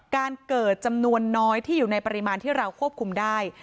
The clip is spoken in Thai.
การเกิดจำนวนน้อยที่อยู่ในปริมาณที่เราควบคุมได้